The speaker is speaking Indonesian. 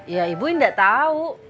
ya ibu gak tahu